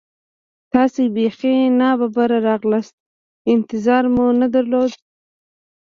تاسې بیخي نا ببره راغلاست، انتظار مو نه درلود.